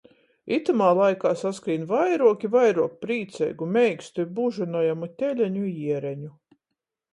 Itymā laikā saskrīn vairuok i vairuok prīceigu, meikstu i bužynojamu teleņu i jiereņu.